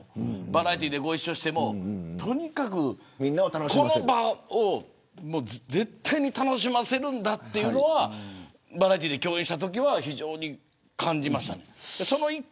バラエティーで、ご一緒してもとにかく、この場を絶対に楽しませるんだというのはバラエティーで共演したときは非常に感じました。